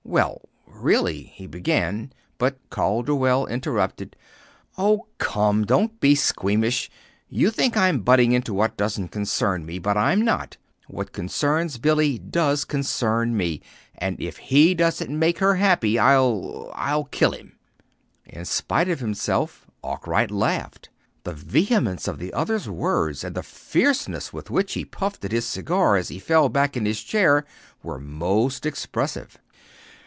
"Well, really," he began; but Calderwell interrupted. "Oh, come; don't be squeamish. You think I'm butting into what doesn't concern me; but I'm not. What concerns Billy does concern me. And if he doesn't make her happy, I'll I'll kill him." In spite of himself Arkwright laughed. The vehemence of the other's words, and the fierceness with which he puffed at his cigar as he fell back in his chair were most expressive.